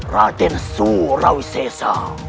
raden su rawisesa